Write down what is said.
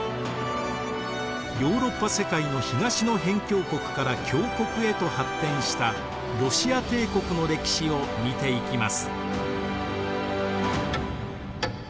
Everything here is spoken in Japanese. ヨーロッパ世界の東の辺境国から強国へと発展したロシア帝国の歴史を見ていきます。